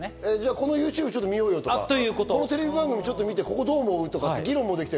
このＹｏｕＴｕｂｅ見ようよとか、このテレビ画面見てどう思う？とか議論もできる。